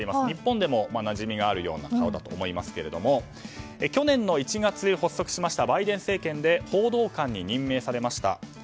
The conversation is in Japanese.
日本でもなじみのあるような顔だと思いますが去年の１月に発足しましたバイデン政権で報道官に任命されました。